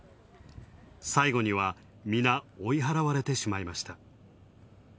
最後には、みな追い払われてしまいました。